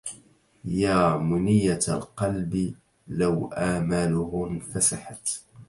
يا منية القلب لو آماله انفسحت